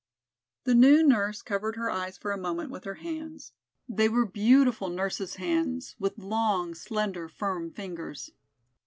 The new nurse covered her eyes for a moment with her hands, they were beautiful nurse's hands, with long slender, firm fingers.